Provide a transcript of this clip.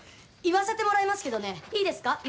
言わせてもらいますけどねいいですか？